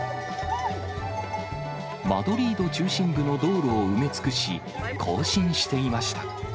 マドリード中心部の道路を埋め尽くし、行進していました。